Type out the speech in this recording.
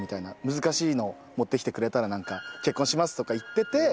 「難しいのを持ってきてくれたら結婚します」とか言ってて。